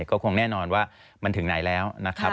ก็คงแน่นอนว่ามันถึงไหนแล้วนะครับ